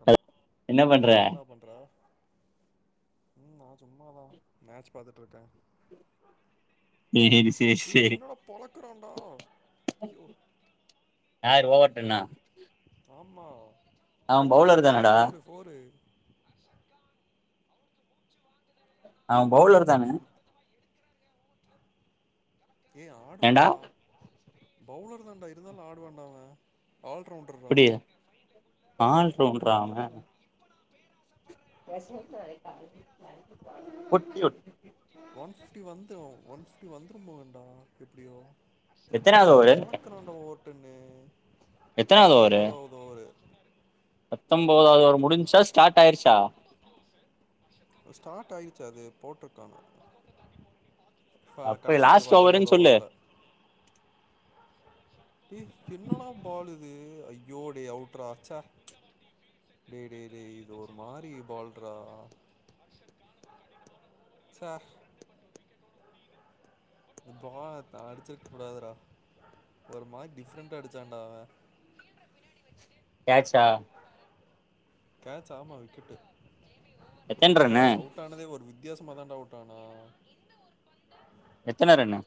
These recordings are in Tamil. ஹலோ என்ன பண்ற என்னடா பண்ற ம் நா சும்மாதா மேட்ச் பாத்துட்ருக்க சேரி சேரி ஏ சேரி என்னடா பொழக்குறான்டா யோ யாரு ஓவர் டெண்ணா ஆமா ஃபோரு பவுலர் சிக்ஸு தானடா ஃபோரு ஃபோரு அவ் பவுலர் தான ஏ ஏன்டா ஆடுவான்டா பவுலர் தான்டா இருந்தாலு ஆடுவான்டா அவ ஆல்ரவுண்டர்ரா இப்டி [unintelligible] [unintelligible] ஒன் ஃபிஃப்டி வந்துரு ஒன் ஃபிஃப்டி வந்துரு போலன்டா எப்டியோ எத்தனாவது ஓவரு பொழக்குரான்டா ஓவர்டன் ம் பத்தொம்பதாவது ஓவரு பத்தொண்போதாவது ஓவர் முடிஞ்ச்சா ஸ்டார்ட் ஆயிர்ச்சா ஸ்டார்ட் ஆயிர்ச்சு அது போட்டுர்க்காங்க ஃபா அப்ப கடசி பால் லாஸ்ட் ஓவருன்னு சொல்லு பத்தொம்போதோவர்ல ஏ என்னடா பாலிது ஐயோ டே அவுட்ரா ச்ச டே டே டே இது ஒரு மாரி பால்ரா ச்ச பால த அடிச்சிருக்கூடாதுடா ஒரு மார் டிஃப்ரெண்டா அடிச்சான்டா அவ கேச்சா கேட்ச் ஆமா விக்கட்டு எத்தன இங்க ரன்னு அவுட் ஆனதே ஒரு வித் வித்தியசமதா டாவுட்டான [inaudible] எத்தன ரன்னு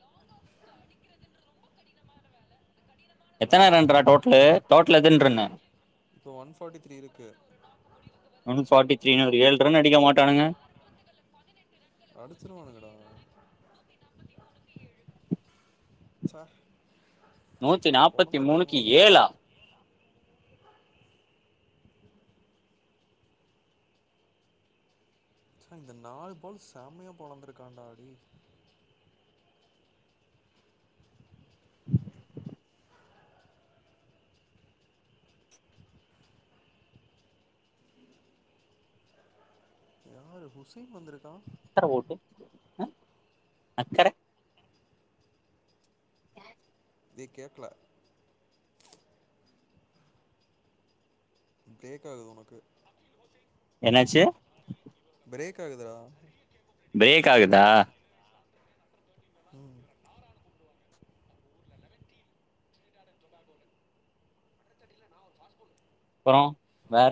ஆ எத்தன ரன் ரா டோட்டலு டோட்டலா எத்தன ரன்னு இப்ப ஒன் பர்ட்டி திரீ இருக்கு [inaudible] ஒன் ஃபார்ட்டி த்ரீன்னு ஒரு ஏழு ரன் அடிக்க மாட்டானுங்க முடிவுக்கு வருது [inaudible] ஆறு பந்துகளுல பதினெட்டு ரன்கள் [inaudible] அடிச்சிருவானுக கடா [inaudible] தொண்ணுத்தி மூணுக்கு ஏழு [inaudible] சார் [inaudible] நூத்தி நாற்பத்தி மூனுக்கு ஏழா ச இந்த நாலு பல் செமையா பொழந்திருக்காடா டேய் [inaudible] யாரு ஹுசைன் வந்திருக்கா அக்கரை ஓட்டு அஹ அக்கர தே கேக்கல பிரேக் ஆகுது உனக்கு [inaudible] என்னாச்சு பிரேக் ஆகுதுதா [inaudible] ப்ரேக் ஆகுதா ம் [inaudible] [inaudible] அப்றோ வேற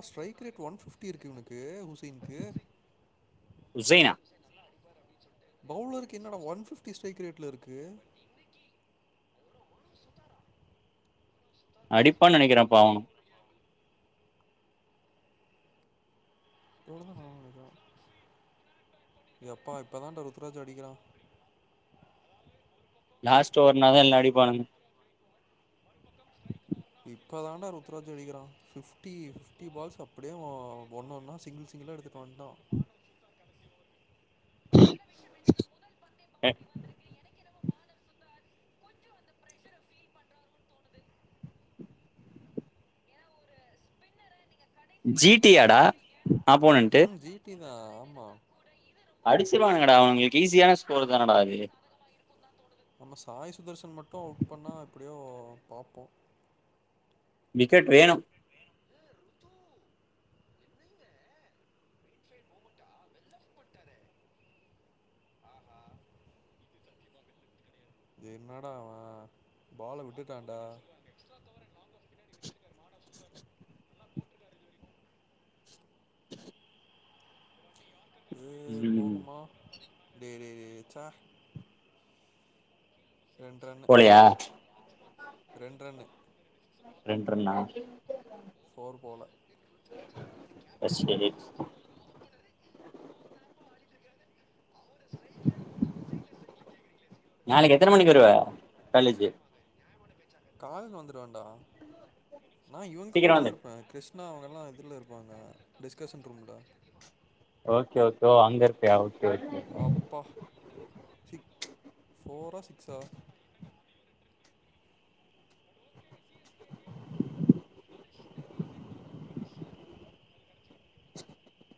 அ ஸ்ட்ரைக் ரேட் ஒன் ஃபிஃப்டி இருக்கு இவனுக்கு ஹுசேனுக்கு ஹுசைனா பவுலருக்கு என்னடா ஒன் ஃபிப்டி ஸ்டரைக் ரேட்ல இருக்கு [inaudible] அடிப்பான்னு நெனைக்கிறே அப்ப அவனு [unintelligible] எப்பா இப்பதான்டா ருத்ராஜ் அடிக்கிறா லாஸ்ட ஓவர் நா தா எல்லா அடிப்பானுங்க இப்பதான்டா ருத்ராஜ் அடிக்கிறா ஃபிப்டி ஃபிப்டி பால்ஸ் அப்டியே ஒ ஒன் ஒன்னா சிங்கிள் சிங்கிள்ளா எடுத்துட்டு வந்துட்டா எ ஜி டி ஆடா ஆப்போனன்ட்டு [unintelligible] அ ஆமா அடிச்சுருவானுங்கடா அவனுகளுக்கு ஈஸியான ஸ்கோர் தான டா இது நம்ம சாய் சுதர்சன் மட்டு அவுட் பண்ணா எப்படியோ பாப்போ விக்கெட் வேணு என்னடா அவ பால விட்டுட்டான்டா [inaudible] ம் டேய் டேய் டேய் ச்ச ரெண்டு ரன்னு போலையா ரெண்டு ரன்னு ரெண்டு ரன்னா ஃபோர் போல தஸ்யடிட் நாளக்கி எத்தன மணிக்கு வருவ காலேஜு கால்ல வந்துருவண்டா நா இவுங்க் சீக்கிரோ கூடதா வந்துரு இருப்ப கிரிஷ் னா அவங்கலா இதுல இருப்பாங்க டிஸ்கஷன் ரூம்ல ஓகே ஓகே ஓ அங்க இருப்பியா ஓ அப்பா ச்சி ஃபோரா சிக்ஸா [inaudible] [inaudible]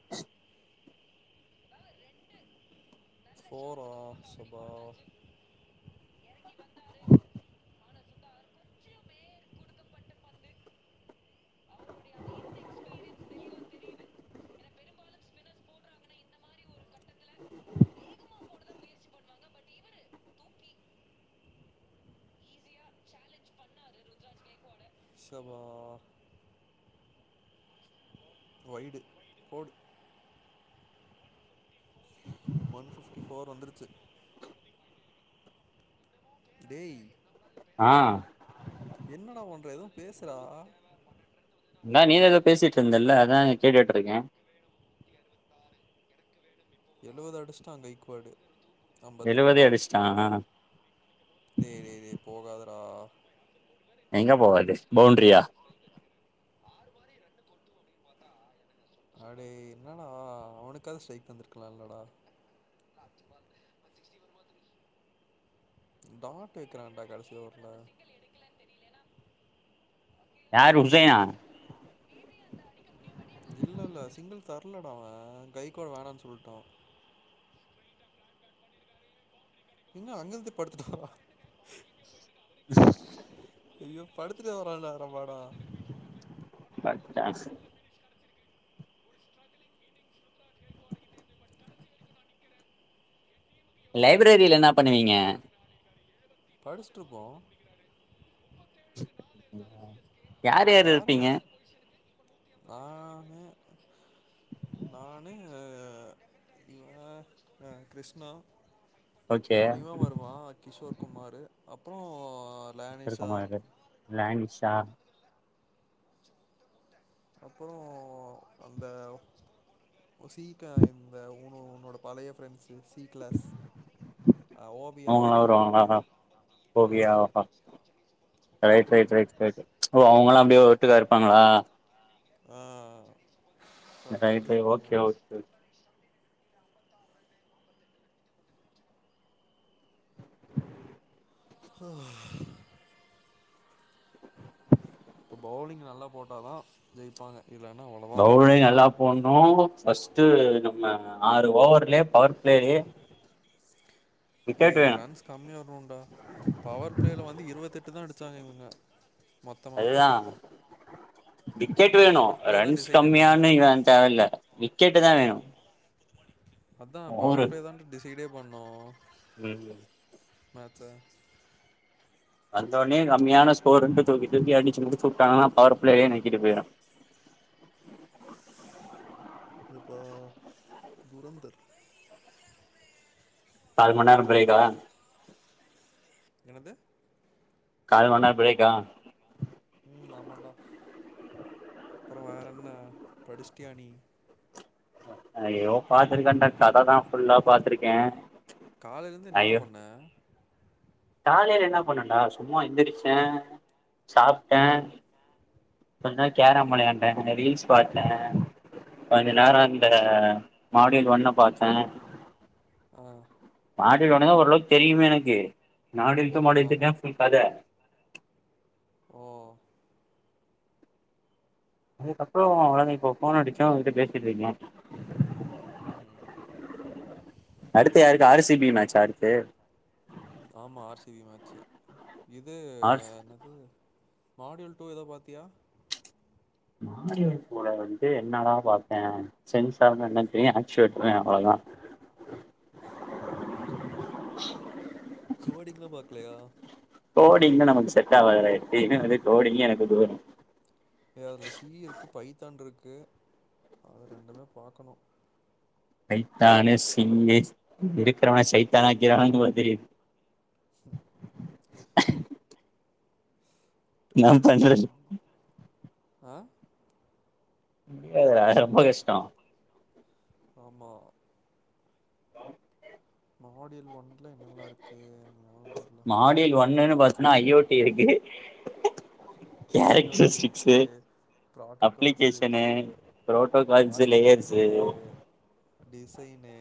ஃபோரா ஸ்சபா ஸ்சபாஹ் வைடு் போடு ஒன்பிஃப்டி போர் வந்துருச்சி டேய் ஆஹ் என்னடா பன்ற எதும் பேசுறா ன்னா நீதா எதோ பேசிட்டு இருந்தல்ல அதான்ங்க கேட்டுட்டுருக்கே எழுவது அடிஸ்ட்டா கைக்குவாடு எழுவதே அம்பத்தெட்டுபால் அடிச்சிட்டா டேடேடே போகாத எங்க போவாது பவுண்ரியா அடேய் என்னடா அவுனுக்காது ஸ்ட்ரைக் வந்திருக்கலா இல்லடா டாட்டு வக்கிறா டா கடசி ஓவர்ல யாருஉசைனா இல்லல்ல சிங்கள் தரலடா அவ கைக்குவாடு வேணானு சொல்ட்டா எங்க அங்கருந்து படுத்துட்டா ஐய்யோ படுத்துட்டே வரான்டா ராபாடா பட்டாசு லைப்ரரியில என்னா பண்ணுவீங்க படிஸ்ட்டுருப்போ [unintelligible] யார் யாரு வேற இருப்பீங்க என்ன நானு நானு இவ ஆ கிருஷ்ணா ஓகே அப்பற இவ வருவா கிஷோர் குமாரு அப்பறோ கிஷோர்குமாரு பிளானிஷா அப்பற அந்த உசீக்கா இந்த உனு உன்னோட பழைய ஃப்ரெண்ட்ஸ் இது சி கிளாஸ் ம் ஓபியானு அவங்கல்லா நெனக்கிற வருவாங்களா பேரு ஆமா ஓவியாவா ரைட் ரைட் ரைட் ரைட்டு ஓ அவுங்களா அப்டியே ஒட்டுக்கா இருப்பாங்களா ஆ தொடச்சிட்டே ரைட்டு இருப்பாங்க ஓகே ஓகே ஓகே ஒஹ இப்ப பவுலிங் நல்லா போட்டாதா ஜெயிப்பாங்க இல்லனா பவுலிங் நல்லா போடனு ஃபர்ஸ்ட் நம்ம ஆறு ஓவர்லயே பவர் பிளேலயே இ விக்கெட் வேணு ரன்ஸ் கம்மியா வருனுன்டா பவர் பிளேல வந்து இருவத்தெட் தா அடிச்சாங்க இவுங்க அதுதா விக்கெட் வேணு பவர் பிளே தா ரன்ஸ் டிசைடே பண்ணு கம்மியான்னு இவ தேவ இல்ல விக் கேட்டுதா வேணு அதான் பவர் பிளே தான் டிசைடே பண்ணோ உம் ஆத்த வந்த ஒன்னயே கம்மியான ஸ்கோர்ன்ட்டு தூக்கி தூக்கி அடிச்சுமுடிச்சு வுட்டாங்கனா பவர் பிளேயே நக்கிட்டு போய்ரு இப்போ துரந்தர் கால் மணிநேரம் பிரேக்கா எனது கால் மண்நேரோ பிரேக்கா உம் ஆமான்டா அப்பற வேறென்ன படிச்டியா நீ அய்யோ பாத் யரி கண்டென்ட் கததா ஃபுல்லா பாத்திருக்கே காலையில இருந்து என்னடா ஐயோ பண்ண காலையில என்ன பண்ணன்டா சும்மா எந்திரிச்சே சாப்ட்டே கொஞ் நேரொ கேரம் வெளையாண்டே ரீல்ஸ் பாத்தே கொஞ்ச ஆ நேரோ இந்த மாட்யூல் ஒண்ண பாத்தே ஆஹ் ஆடிடுவானுங்க ஓரளவுக் தெரியுமே எனக்கு ஆஹா [unintelligible] ஓ அதுக்கப்புற அவ்ளோ தா இப்ப ஃபோன் அடிச்ச உங்ககிட்ட பேசிட்டு இருக்கே ம்ஹூ இது ஆர் சி பி மேச்சா அடுத்து ஆமா ஆர் சி பி மேச்சு இது ஆர் என்னது மாட்யூல் டூ எதோ பாத்தியா மாமடியார் கூட வந்து என்னடா பாத்தே சென்சார்னா என்னன் தெரியு ஏக்சுவேட்டர் னா அவ்ளதா குவடிக்லா பாக்லையா கோடிங்ன்னா நமக்கு செட் ஆவாதுடா. எப்பியுமே வந்து கோடிங்கே எனக்கு தூரோ ஏ அதுல சீ இருக்கு பைத்தான் இருக்கு அத ரெண்டுமே பாக்கணு சைத்தானு சிங்குஸ் இருக்கிறவன சைத்தானா ஆக்கிவாங்கு போல தெரிது நான் பஞ்சலஷ் ஆஹ் முடியாதுரா ரொம்ப கஷ்ட்டோ ஆமா மாடில் ஒன் மாடியில் ஒண்ணுன்னு பாத்ன்னா ஐ ஓ டீ இருக்கு ஐ ஓ டி இருக்கு கேரக்டரிஸ்டிக்ஸு அப்ளிகேஷனு ப்ராட்டாகால்ஸ்ஸுருக்கு புரோட்டோகால்ஸு லேயர்ஸு ஆர்க்கிடெக்ச்சரு டிஸ் செய்னு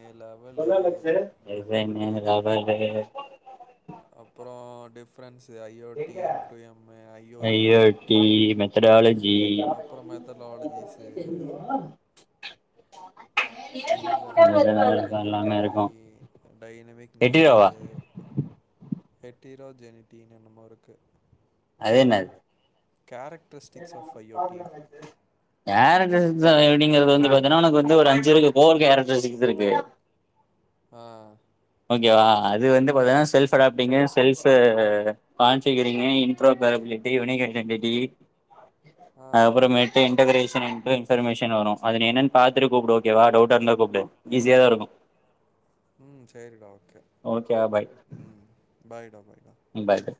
சொல்லலெக்ஸு எவன்னு கவனூ அப்றோ டிஃப்ரென்ஸ் இது I O T M two M I O இய்யு த்டாலஜ் ஈ இதுல்ல எனனா ஹெட்ரோஜெனிட்டி எல்லாமே இருக்கு டைனமிக் எட்டு நேச்சரு ரூபாவா எட்டிரோ ஜெனிட்டீனென்னமோ இருக்கு அதென்னது கேரக்டரிஸ்டிக்ஸ் ஆஃப் ஐஓடி ஏரட்டஸ் ஸார் எப்டிங்கறது வந்து பாத்தேனா உனக்கு வந்து ஒரு அஞ்சு இருக்கு கோல் கேரக்ரஸுக்ஸ் இருக்கு ஆஹ் இங்கவா அது வந்து பாத்தனா self adapting self configuring interoperability வினிகர் கன்டெட்டி ஆ அப்றமேட்டு இன்டக்கரேஸ் மிச்சின்ட்டு இன்ஃபர்மேஷன் வரூ அது நீ என்னன் பாத்துட்டு கூப்டு ஓகேவா டவ்ட்டாருந்தா கூப்டு ஈஸியாதாருக்கூ ம் சேரிடா ஓக்கே பாய் ம் பாய்டா பாய்டா பாய் பை